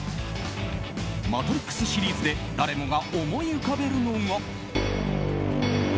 「マトリックス」シリーズで誰もが思い浮かべるのが。